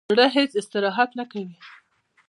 زړه هیڅ استراحت نه کوي